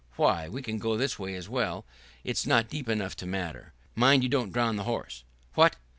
"Why, we can go this way as well. It's not deep enough to matter." "Mind you don't drown the horse." "What?"